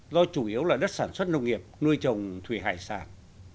do chủ yếu là đất sản xuất nông nghiệp nuôi trồng thủy hải sản